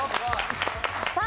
さあ